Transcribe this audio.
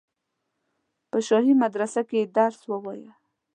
په شاهي مدرسه کې یې درس ووایه.